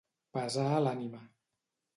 Pesar a l'ànima.